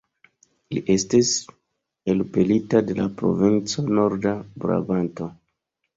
Li estis elpelita de la provinco Norda-Brabanto.